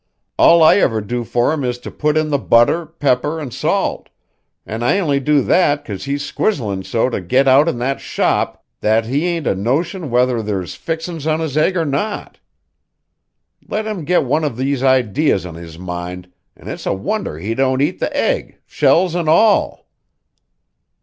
All I ever do for him is to put in the butter, pepper, an' salt; an' I only do that 'cause he's squizzlin' so to get out in that shop that he ain't a notion whether there's fixin's on his egg or not. Let him get one of these ideas on his mind an' it's a wonder he don't eat the egg, shells an' all."